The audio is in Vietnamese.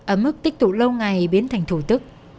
ấm ức tích tụ lâu ngày biến thành thương